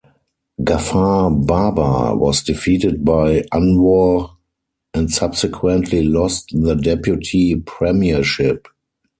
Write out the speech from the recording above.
Ghafar Baba was defeated by Anwar and subsequently lost the deputy premiership.